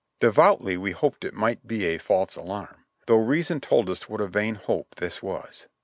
Devoutly we hoped it might be a false alarm, though reason told us what a vain hope this was.